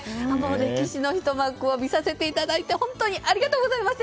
歴史のひと幕を見させていただいて本当にありがとうございました。